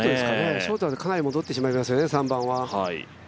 ショートだとかなり戻ってしまいますよね、３番は。